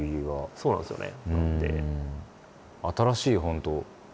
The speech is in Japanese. そうなんですよね。